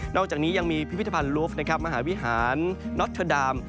อกจากนี้ยังมีพิพิธภัณฑ์ลูฟนะครับมหาวิหารน็อตเทอร์ดาม